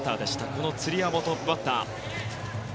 この、つり輪もトップバッター。